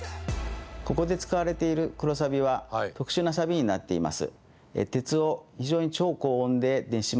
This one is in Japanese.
ここで使われている黒サビは特殊なサビになっています。